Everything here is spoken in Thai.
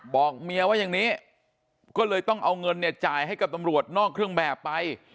บอกเมียว่าอย่างนี้ก็เลยต้องเอาเงินเนี่ยจ่ายให้กับตำรวจนอกเครื่องแบบไป